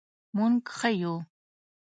مونږ ښه یو